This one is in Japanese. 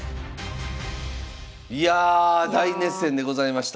いや大熱戦でございました。